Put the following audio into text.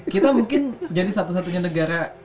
kita mungkin jadi satu satunya negara